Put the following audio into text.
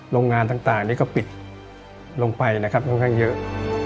โรงงานต่างนี่ก็ปิดลงไปนะครับค่อนข้างเยอะ